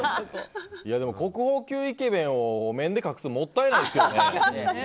国宝級イケメンをお面で隠すのもったいないですよね。